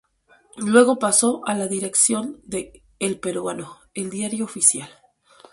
Luego pasó a la dirección de "El Peruano", el diario oficial.